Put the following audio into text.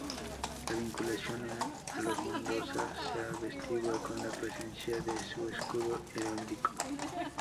La vinculación a los Mendoza se atestigua con la presencia de su escudo heráldico.